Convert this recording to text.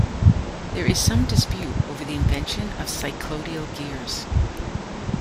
There is some dispute over the invention of cycloidal gears.